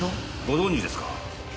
ご存じですか？